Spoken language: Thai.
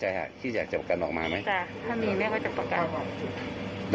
อโหสกรรมให้พี่เมื่อเช้ามาทำเหรียญแม่ยังจะขอโหสกรรมลุงเลย